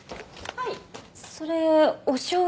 はい。